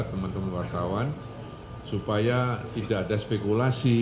teman teman wartawan supaya tidak ada spekulasi